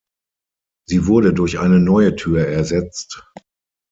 Sie wurde durch eine neue Tür ersetzt.